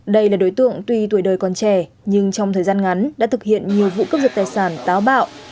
đây là đối tượng tuy tuổi đời còn trẻ nhưng trong thời gian ngắn đã thực hiện nhiều vụ cướp giật tài sản táo bạo